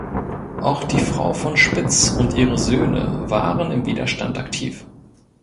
Auch die Frau von Spitz und ihre Söhne waren im Widerstand aktiv.